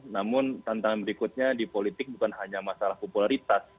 namun tantangan berikutnya di politik bukan hanya masalah popularitas